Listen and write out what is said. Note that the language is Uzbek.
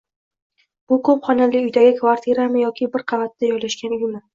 Bu ko'p xonali uydagi kvartirami yoki bir qavatda joylashgan uymi?